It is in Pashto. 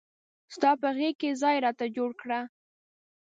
ستا په غیږ کې ځای راته جوړ کړه.